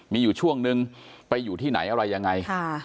มีอยู่ช่วงนึงไปอยู่ที่ไหนอะไรยังไง